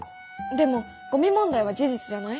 でもゴミ問題は事実じゃない？